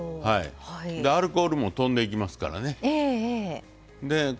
アルコールもとんでいきますからね。